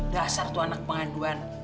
dasar tuh anak penganduan